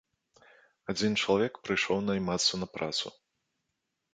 Адзін чалавек прыйшоў наймацца на працу.